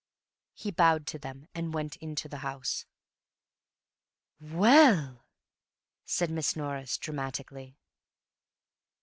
He bowed to them and went into the house. "Well!" said Miss Norris dramatically.